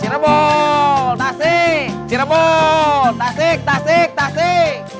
cirebo tasik cirebon tasik tasik tasik